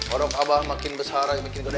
orang abah makin besar makin gede